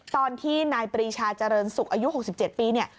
ตอนที่นายปรีชาเจริญสุกอายุ๖๗ปี